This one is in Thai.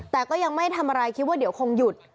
แต่ก็ยังไม่ทำอะไรคิดว่าเดี๋ยวคงหยุด